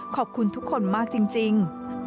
ขอบคุณทุกคนมากจริง